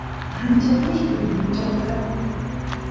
ancha mishki bolanchau kan